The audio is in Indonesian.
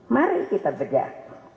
mari kita belajar